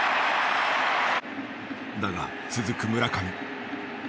だが続く村上。